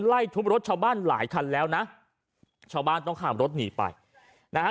ไล่ทุบรถชาวบ้านหลายคันแล้วนะชาวบ้านต้องขับรถหนีไปนะฮะ